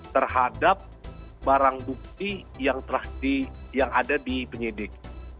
terhadap barang bukti yang ada di penyidik